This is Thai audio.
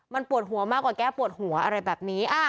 มันปวดหัวมากกว่าแก้ปวดหัวอะไรแบบนี้